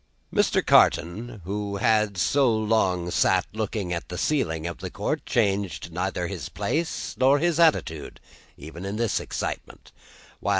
Mr. Carton, who had so long sat looking at the ceiling of the court, changed neither his place nor his attitude, even in this excitement.